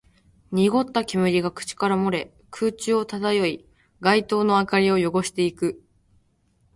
濁った煙が口から漏れ、空中を漂い、街灯の明かりを汚していく